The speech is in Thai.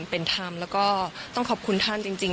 เป็นธรรมแล้วก็ต้องขอบคุณท่านจริง